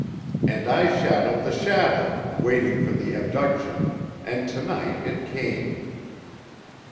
And I shadowed the shadow, waiting for the abduction, and to night it came.